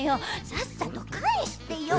さっさとかえしてよ。